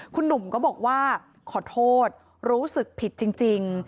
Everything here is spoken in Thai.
คุณหนุ่มก็บอกว่าขอโทษรู้สึกผิดจริง